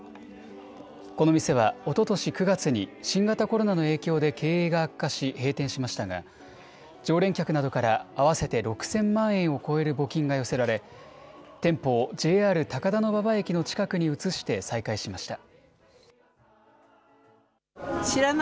この店は、おととし９月に、新型コロナの影響で経営が悪化し、閉店しましたが、常連客などから合わせて６０００万円を超える募金が寄せられ、店舗をＪＲ高田馬場駅の近くに移して再開しました。